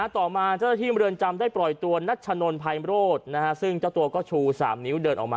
ต่อมาเจ้าที่เมืองเรือนจำได้ปล่อยตัวนัทชะนลพัยโมโลธซึ่งเจ้าตัวก็ชูสามนิ้วเดินออกมา